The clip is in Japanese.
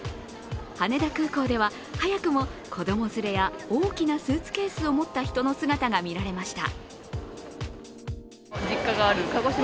羽田空港では早くも子供連れや大きなスーツケースを持った人の姿が見られました。